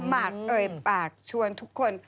หมักเตยปักชวนทุกคน